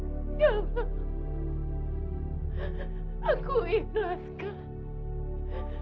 ya allah aku ikhlaskan